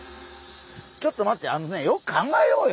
ちょっと待ってあのねよく考えようよ。